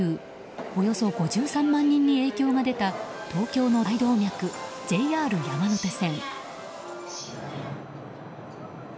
およそ５３万人に影響が出た東京の大動脈ＪＲ山手線。